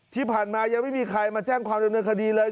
ที่ผ่านมายังไม่มีใครมาแจ้งความดำเนินคดีเลย